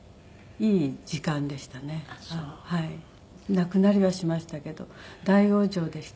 亡くなりはしましたけど大往生でした。